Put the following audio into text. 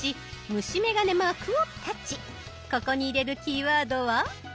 ここに入れるキーワードは。